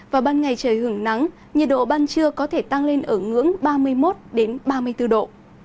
và ban ngày trời hưởng nắng nhiệt độ ban trưa có thể tăng lên ở ngưỡng ba mươi một ba mươi bốn độ